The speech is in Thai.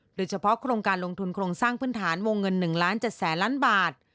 โดยเฉพาะโครงการลงทุนโครงสร้างพื้นฐานวงเงิน๑ล้าน๗แสนล้านบาท